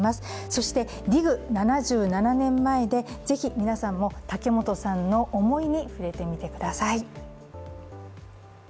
そして「ＤＩＧ７７年前」でぜひ皆さんも竹本さんの思いに触れてみてください。